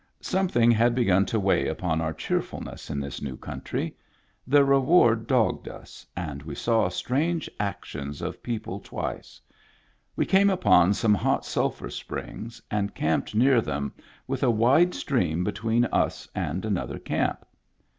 Something had begun to weigh upon our cheerfulness in this new country. The reward dogged us, and we saw strange actions of peo ple twice. We came upon some hot sulphur springs^ and camped near them, with a wide stream between us and another camp.